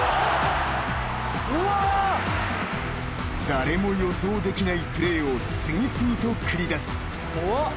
［誰も予想できないプレーを次々と繰り出す］